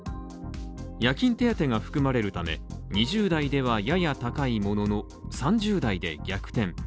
夜勤手当が含まれるため、２０代ではやや高いものの、３０代で逆転。